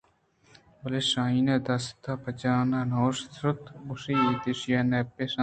بلے شاہین ءَ دست پہ جان ءَ نہ اِشت ءُ گوٛشت ایشی ءَ نپے نیست